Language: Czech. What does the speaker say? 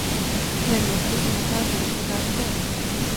Ve městě se nachází vysoká škola.